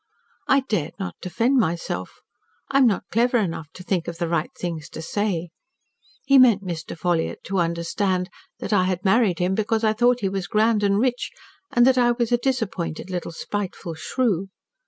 I dared not defend myself. I am not clever enough to think of the right things to say. He meant Mr. Ffolliott to understand that I had married him because I thought he was grand and rich, and that I was a disappointed little spiteful shrew.